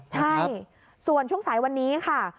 ใช่ส่วนช่วงสายวันนี้ค่ะ